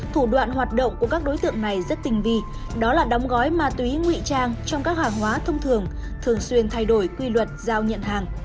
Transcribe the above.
thủ đoạn hoạt động của các đối tượng này rất tình vi đó là đóng gói ma túy nguy trang trong các hàng hóa thông thường thường xuyên thay đổi quy luật giao nhận hàng